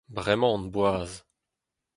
Bremañ on boas.